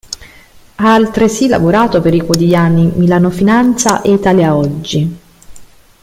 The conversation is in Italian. Ha altresì lavorato per i quotidiani Milano Finanza e Italia Oggi.